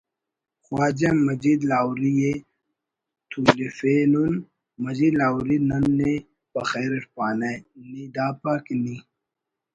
خواجہ مجید لاہوریؔ ءِ تولفینن مجید لاہوریؔ نن نے بخیراٹ پانہ نی دا پاکہ نی